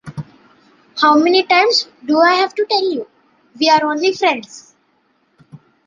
How many times do I have to tell you? We’re only friends.